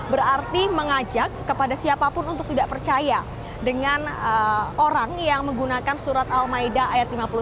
berarti mengajak kepada siapapun untuk tidak percaya dengan orang yang menggunakan surat al maida ayat lima puluh enam